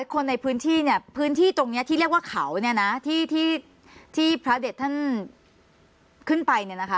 คนในพื้นที่ตรงนี้ที่เรียกว่าเขาที่พระเด็จท่านขึ้นไป